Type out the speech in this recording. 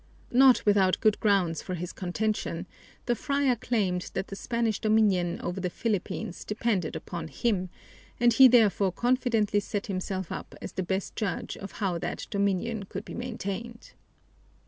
Not without good grounds for his contention, the friar claimed that the Spanish dominion over the Philippines depended upon him, and he therefore confidently set himself up as the best judge of how that dominion should be maintained.